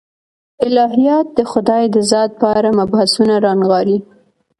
الهیات د خدای د ذات په اړه مبحثونه رانغاړي.